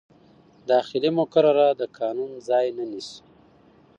داخلي مقررات د قانون ځای نه نیسي.